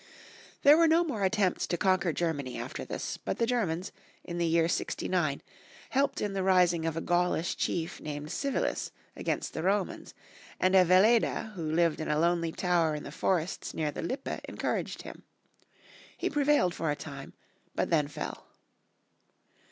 There were no more attempts to conquer Ger many after this ; but the Germans, in the year 69, helped in the rising of a Gaulish chief named Civilis against the Romans, and a Velleda who lived in a lonely tower in the forests near the Lippe encouraged him. He prevailed for a time, but then fell.